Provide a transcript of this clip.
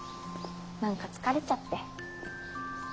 何か疲れちゃって。